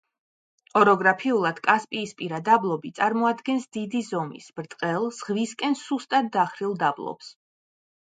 ოროგრაფიულად კასპიისპირა დაბლობი წარმოადგენს დიდი ზომის, ბრტყელ, ზღვისკენ სუსტად დახრილ დაბლობს.